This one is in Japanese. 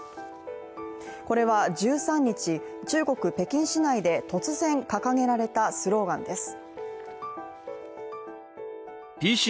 これは１３日、中国・北京市内で突然掲げられたスローガンです。